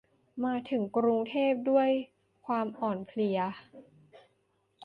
มาถึงกรุงเทพด้วยความอ่อนเพลีย